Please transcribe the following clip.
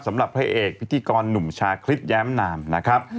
พระเอกพิธีกรหนุ่มชาคริสแย้มนามนะครับ